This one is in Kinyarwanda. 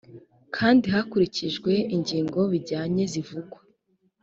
kandi hakurikijwe ingingo bijyanye zivugwa